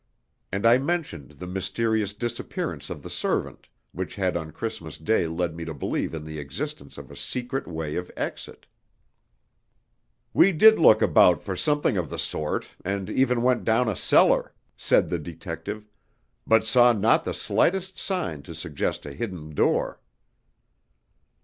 And I mentioned the mysterious disappearance of the servant, which had on Christmas Day led me to believe in the existence of a secret way of exit. "We did look about for something of the sort, and even went down a cellar," said the detective, "but saw not the slightest sign to suggest a hidden door."